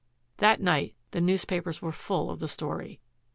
That night the newspapers were full of the story.